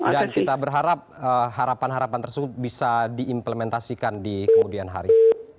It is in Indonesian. dan kita berharap harapan harapan tersebut bisa diimplementasikan di kemudian hari